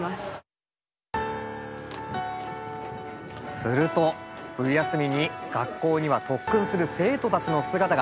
すると冬休みに学校には特訓する生徒たちの姿が。